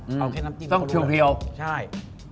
เอาแค่น้ำจิ้มต้องเพียวใช่